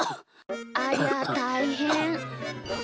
ありゃたいへん。